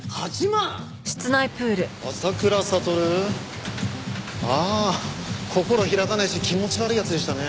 浅倉悟？ああ心開かないし気持ち悪い奴でしたね。